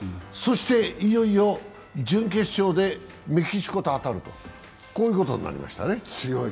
いよいよ準決勝でメキシコと当たるということになりましたね。